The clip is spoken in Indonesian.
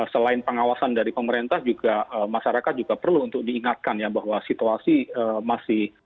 selain pengawasan dari pemerintah juga masyarakat juga perlu untuk diingatkan ya bahwa situasi masih